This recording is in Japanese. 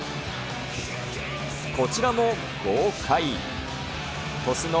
こちらも豪快。